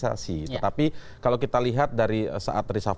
jadi adakah ini sudah bisa tertutup